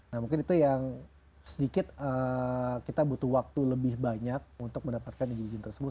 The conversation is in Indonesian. nah mungkin itu yang sedikit kita butuh waktu lebih banyak untuk mendapatkan izin izin tersebut